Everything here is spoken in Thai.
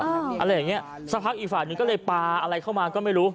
อะไรอย่างเงี้สักพักอีกฝ่ายหนึ่งก็เลยปลาอะไรเข้ามาก็ไม่รู้